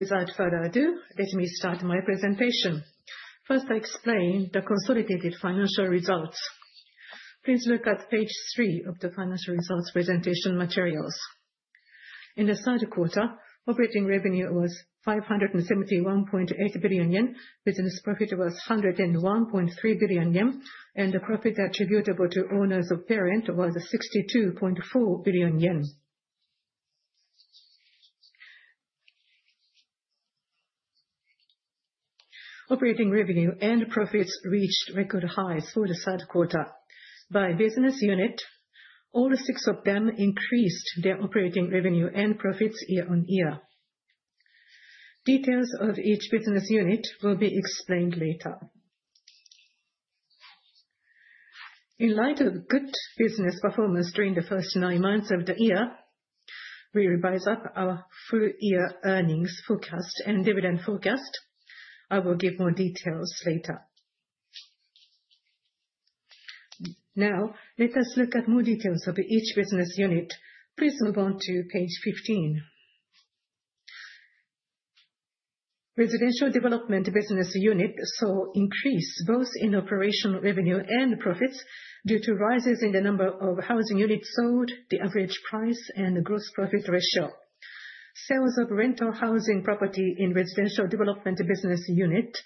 Results for the Q3, let me start my presentation. First, I explain the consolidated financial results. Please look at page 3 of the financial results presentation materials. In the third quarter, operating revenue was 571.8 billion yen, business profit was 101.3 billion yen, and the profit attributable to owners of the parent was 62.4 billion yen. Operating revenue and profits reached record highs for the third quarter. By business unit, all six of them increased their operating revenue and profits year on year. Details of each business unit will be explained later. In light of good business performance during the first nine months of the year, we revise up our full year earnings forecast and dividend forecast. I will give more details later. Now, let us look at more details of each business unit. Please move on to page 15. Residential development business unit saw increase both in operating revenue and profits due to rises in the number of housing units sold, the average price, and the gross profit ratio. Sales of rental housing property in residential development business unit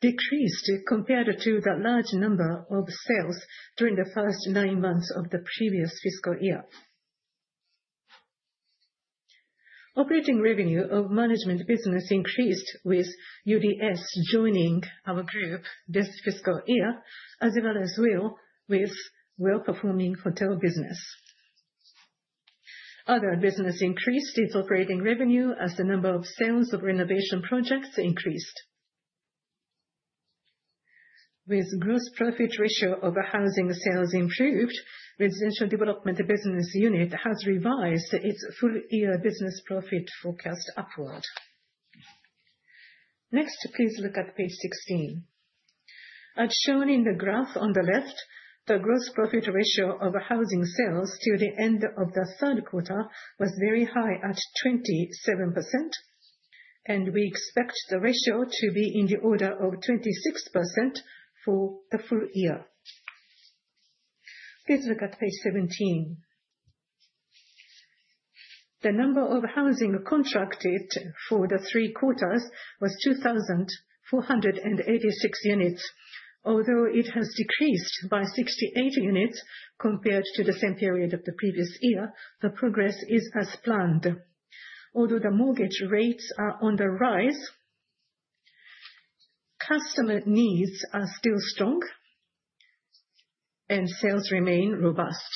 decreased compared to the large number of sales during the first nine months of the previous fiscal year. Operating revenue of management business increased with UDS joining our group this fiscal year, as well as WIL with well-performing hotel business. Other business increased its operating revenue as the number of sales of renovation projects increased. With gross profit ratio of housing sales improved, residential development business unit has revised its full year business profit forecast upward. Next, please look at page 16. As shown in the graph on the left, the gross profit ratio of housing sales to the end of the third quarter was very high at 27%, and we expect the ratio to be in the order of 26% for the full year. Please look at page 17. The number of housing contracted for the three quarters was 2,486 units. Although it has decreased by 68 units compared to the same period of the previous year, the progress is as planned. Although the mortgage rates are on the rise, customer needs are still strong, and sales remain robust.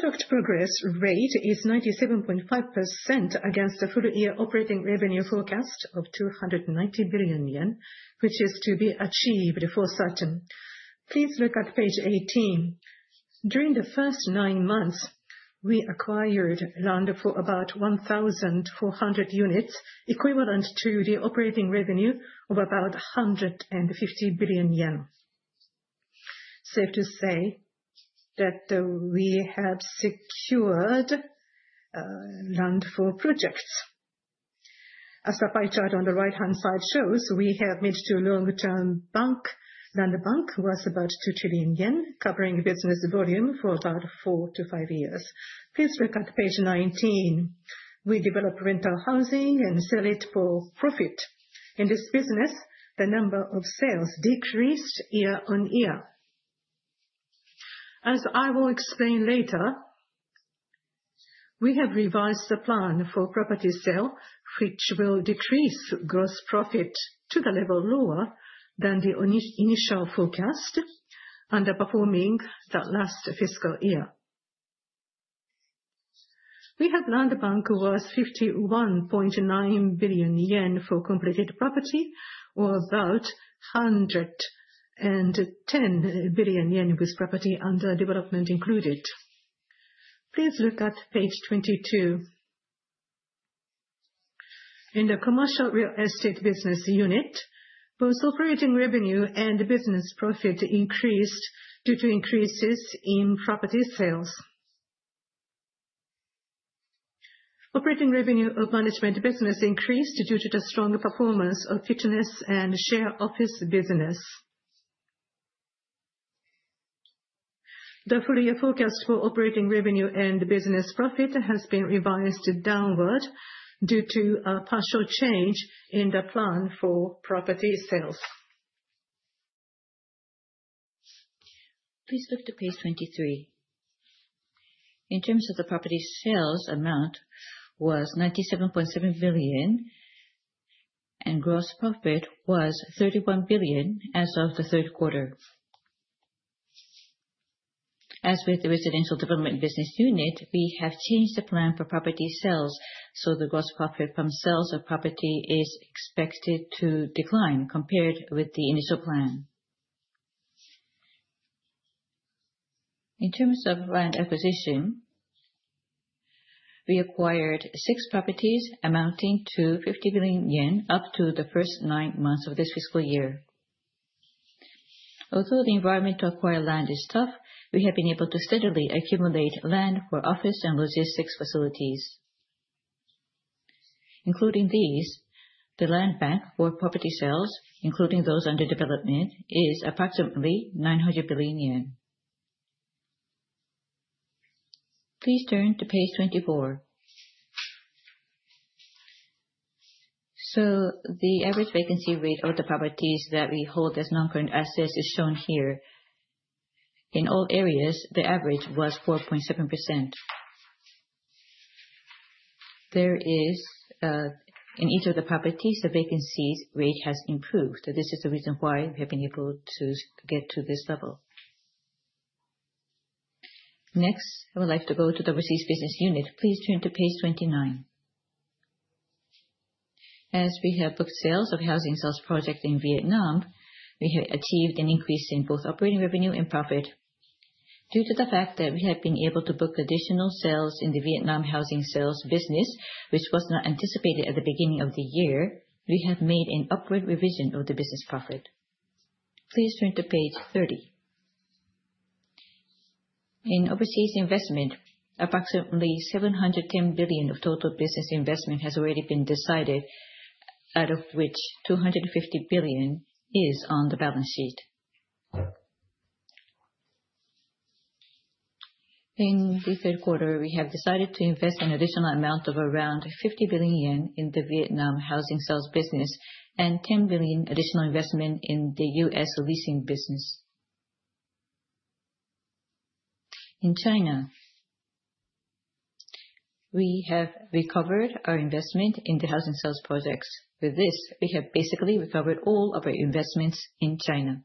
Contract progress rate is 97.5% against the full year operating revenue forecast of 290 billion yen, which is to be achieved for certain. Please look at page 18. During the first nine months, we acquired land for about 1,400 units, equivalent to the operating revenue of about 150 billion yen. safe to say that we have secured land for projects. As the pie chart on the right-hand side shows, we have a long-term land bank of about 2 trillion yen, covering business volume for about four to five years. Please look at page 19. We develop rental housing and sell it for profit. In this business, the number of sales decreased year on year. As I will explain later, we have revised the plan for property sale, which will decrease gross profit to the level lower than the initial forecast, underperforming the last fiscal year. We have land bank worth 51.9 billion yen for completed property, or about 110 billion yen with property under development included. Please look at page 22. In the commercial real estate business unit, both operating revenue and business profit increased due to increases in property sales. Operating revenue of management business increased due to the strong performance of fitness and shared office business. The full year forecast for operating revenue and business profit has been revised downward due to a partial change in the plan for property sales. Please look to page 23. In terms of the property sales amount, it was 97.7 billion, and gross profit was 31 billion as of the third quarter. As with the residential development business unit, we have changed the plan for property sales, so the gross profit from sales of property is expected to decline compared with the initial plan. In terms of land acquisition, we acquired six properties amounting to 50 billion yen up to the first nine months of this fiscal year. Although the environment to acquire land is tough, we have been able to steadily accumulate land for office and logistics facilities. Including these, the land bank for property sales, including those under development, is approximately JPY 900 billion. Please turn to page 24. So the average vacancy rate of the properties that we hold as non-current assets is shown here. In all areas, the average was 4.7%. There is, in each of the properties, the vacancy rate has improved. This is the reason why we have been able to get to this level. Next, I would like to go to the overseas business unit. Please turn to page 29. As we have booked sales of housing sales project in Vietnam, we have achieved an increase in both operating revenue and profit. Due to the fact that we have been able to book additional sales in the Vietnam housing sales business, which was not anticipated at the beginning of the year, we have made an upward revision of the business profit. Please turn to page 30. In overseas investment, approximately 710 billion of total business investment has already been decided, out of which 250 billion is on the balance sheet. In the third quarter, we have decided to invest an additional amount of around 50 billion yen in the Vietnam housing sales business and 10 billion additional investment in the U.S. leasing business. In China, we have recovered our investment in the housing sales projects. With this, we have basically recovered all of our investments in China.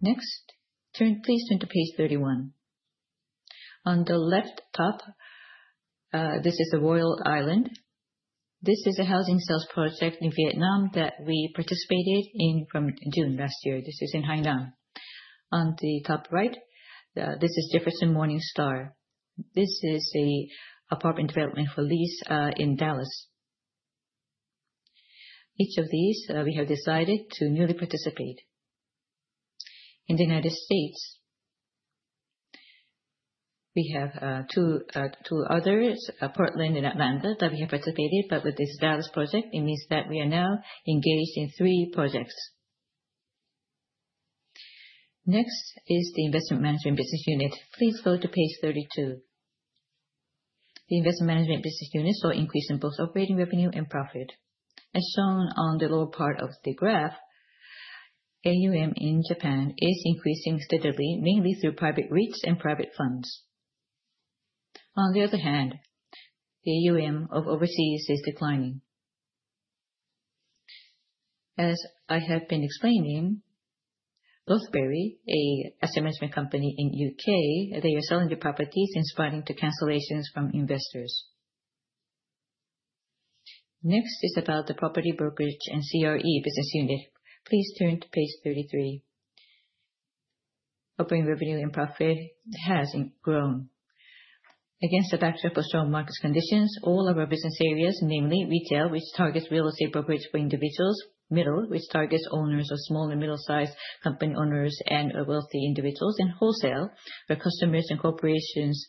Next, please turn to page 31. On the left top, this is the Royal Island. This is a housing sales project in Vietnam that we participated in from June last year. This is in Hai Phong. On the top right, this is Jefferson Morningstar. This is an apartment development for lease in Dallas. Each of these, we have decided to newly participate. In the United States, we have two others, Portland and Atlanta, that we have participated, but with this Dallas project, it means that we are now engaged in three projects. Next is the investment management business unit. Please go to page 32. The investment management business unit saw an increase in both operating revenue and profit. As shown on the lower part of the graph, AUM in Japan is increasing steadily, mainly through private REITs and private funds. On the other hand, the AUM of overseas is declining. As I have been explaining, Lothbury, an asset management company in the U.K., they are selling the properties in spite of cancellations from investors. Next is about the property brokerage and CRE business unit. Please turn to page 33. Operating revenue and profit has grown. Against the backdrop of strong market conditions, all of our business areas, namely retail, which targets real estate brokerage for individuals. Middle, which targets owners of small and middle-sized company owners and wealthy individuals. And wholesale, where customers and corporations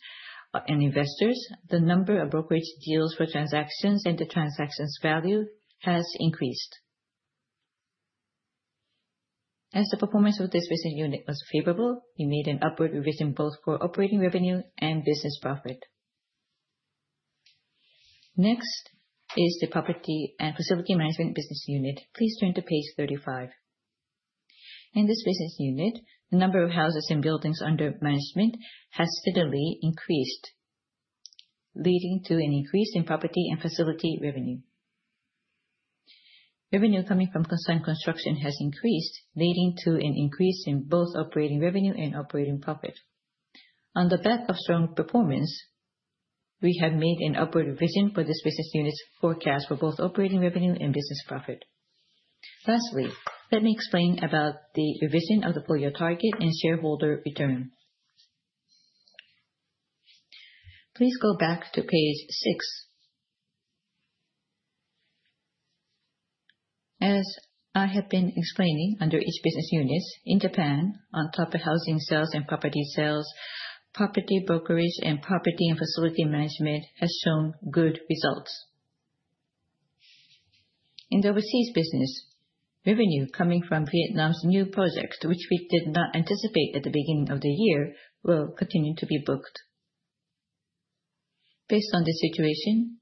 and investors. The number of brokerage deals for transactions and the transactions value has increased. As the performance of this business unit was favorable, we made an upward revision both for operating revenue and business profit. Next is the property and facility management business unit. Please turn to page 35. In this business unit, the number of houses and buildings under management has steadily increased, leading to an increase in property and facility revenue. Revenue coming from consent construction has increased, leading to an increase in both operating revenue and operating profit. On the back of strong performance, we have made an upward revision for this business unit's forecast for both operating revenue and business profit. Lastly, let me explain about the revision of the full year target and shareholder return. Please go back to page 6. As I have been explaining under each business unit, in Japan, on top of housing sales and property sales, property brokerage and property and facility management has shown good results. In the overseas business, revenue coming from Vietnam's new project, which we did not anticipate at the beginning of the year, will continue to be booked. Based on this situation,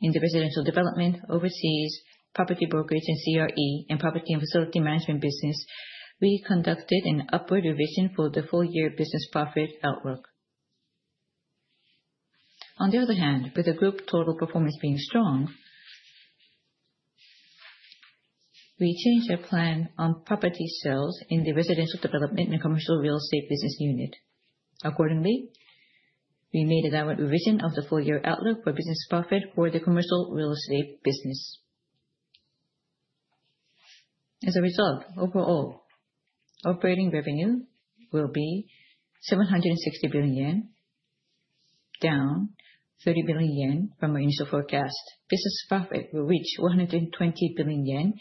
in the residential development, overseas property brokerage and CRE, and property and facility management business, we conducted an upward revision for the full year business profit outlook. On the other hand, with the group total performance being strong, we changed our plan on property sales in the residential development and commercial real estate business unit. Accordingly, we made a downward revision of the full year outlook for business profit for the commercial real estate business. As a result, overall, operating revenue will be 760 billion yen, down 30 billion yen from our initial forecast. Business profit will reach 120 billion yen.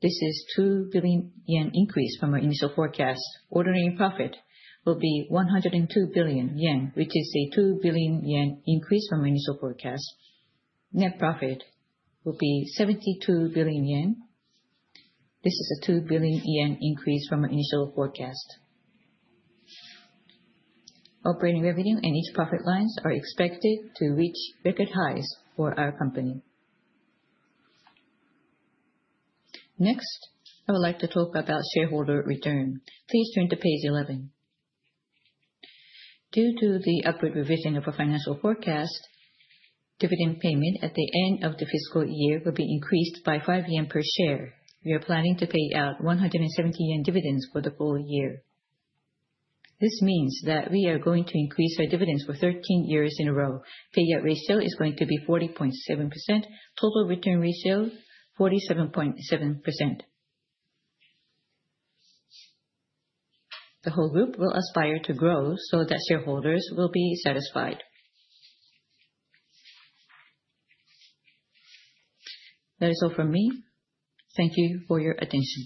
This is a 2 billion yen increase from our initial forecast. Ordinary profit will be 102 billion yen, which is a 2 billion yen increase from our initial forecast. Net profit will be 72 billion yen. This is a 2 billion yen increase from our initial forecast. Operating revenue and each profit lines are expected to reach record highs for our company. Next, I would like to talk about shareholder return. Please turn to page 11. Due to the upward revision of our financial forecast, dividend payment at the end of the fiscal year will be increased by 5 yen per share. We are planning to pay out 170 yen dividends for the full year. This means that we are going to increase our dividends for 13 years in a row. Payout ratio is going to be 40.7%, total return ratio 47.7%. The whole group will aspire to grow so that shareholders will be satisfied. That is all from me. Thank you for your attention.